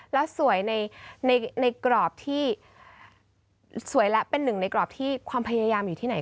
แล้วสวยในกรอบที่สวยและเป็นหนึ่งในกรอบที่ความพยายามอยู่ที่ไหน